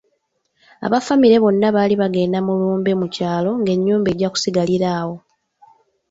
Abafamire bonna baali bagenda mu lumbe mu kyalo nga ennyumba ejja kusigalirawo.